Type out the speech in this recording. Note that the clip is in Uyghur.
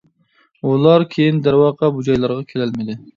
ئۇلار كېيىن دەرۋەقە بۇ جايلارغا كېلەلمىدى.